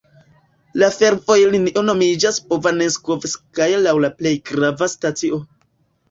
La fervojlinio nomiĝas Bovanenskovskaja laŭ la plej grava stacio.